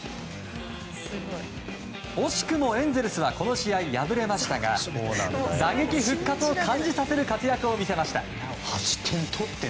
惜しくもエンゼルスはこの試合、敗れましたが打撃復活を感じさせる活躍を見せました。